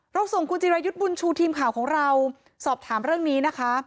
ส่งคุณจิรายุทธ์บุญชูทีมข่าวของเราสอบถามเรื่องนี้นะคะ